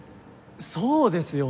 そうですよ！